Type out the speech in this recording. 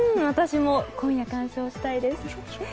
私も今夜鑑賞したいです。